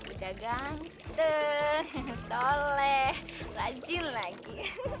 udah ganteng soleh rajin lagi